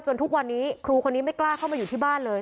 ทุกวันนี้ครูคนนี้ไม่กล้าเข้ามาอยู่ที่บ้านเลย